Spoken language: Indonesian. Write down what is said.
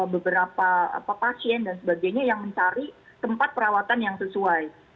beberapa pasien dan sebagainya yang mencari tempat perawatan yang sesuai